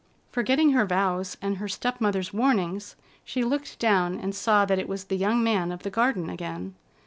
Forgetting her vows and her step mother's warnings, she looked down and saw that it was the young man of the garden again.